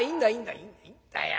いいんだよ